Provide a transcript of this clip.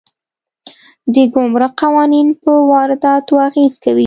د ګمرک قوانین په وارداتو اغېز کوي.